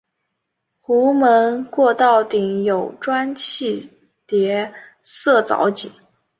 壸门过道顶有砖砌叠涩藻井。